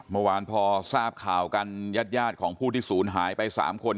เมื่อวานพอทราบข่าวกันญาติของผู้ที่ศูนย์หายไป๓คน